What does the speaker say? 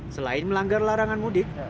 selain melanggar larangan mudik